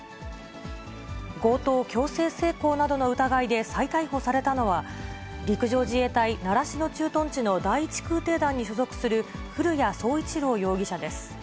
強盗・強制性交などの疑いで再逮捕されたのは、陸上自衛隊習志野駐屯地の第一空挺団に所属する古屋聡一朗容疑者です。